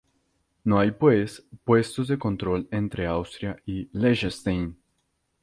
No hay pues puestos de control entre Austria y Liechtenstein.